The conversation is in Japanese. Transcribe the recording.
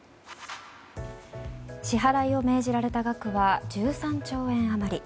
支払いを命じられた額は１３兆円余り。